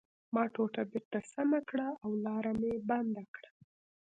ما ټوټه بېرته سمه کړه او لاره مې بنده کړه